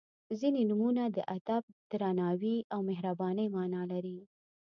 • ځینې نومونه د ادب، درناوي او مهربانۍ معنا لري.